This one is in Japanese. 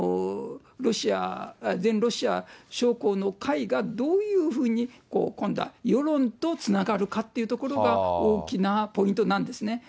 ロシア、全ロシア将校の会がどういうふうに、今度は世論とつながるかっていうところが大きなポイントなんですね。